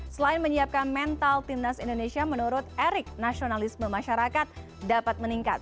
selain menyiapkan mental timnas indonesia menurut erik nasionalisme masyarakat dapat meningkat